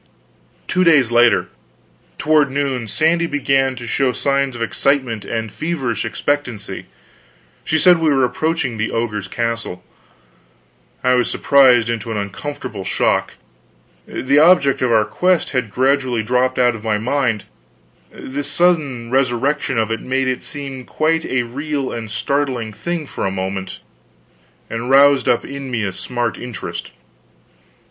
Two days later, toward noon, Sandy began to show signs of excitement and feverish expectancy. She said we were approaching the ogre's castle. I was surprised into an uncomfortable shock. The object of our quest had gradually dropped out of my mind; this sudden resurrection of it made it seem quite a real and startling thing for a moment, and roused up in me a smart interest.